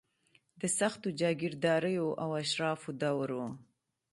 د سختو جاګیرداریو او اشرافو دور و.